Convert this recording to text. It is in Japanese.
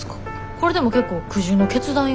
これでも結構苦渋の決断よ？